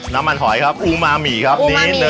น้ำมันหอยครับอูมามี่ครับนิดนึง